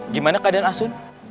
gimana keadaan asun